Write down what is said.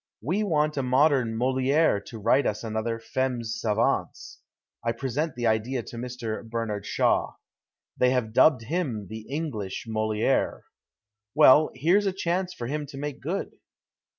We want a modern Moliere to write us another Femmes Savantes. (I present the idea to Mr. Bernard Shaw. They have dubbed him " the English Moliere." Well, here's a chance for him to make good.)